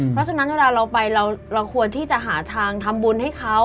เพราะฉะนั้นเวลาเราไปเราควรที่จะหาทางทำบุญให้เขา